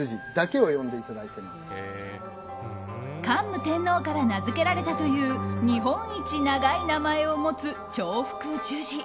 桓武天皇から名付けられたという日本一長い名前を持つ長福寿寺。